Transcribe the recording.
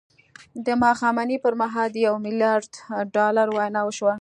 د ماښامنۍ پر مهال د یوه میلیارد ډالرو وینا وشوه